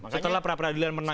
setelah pra peradilan menangin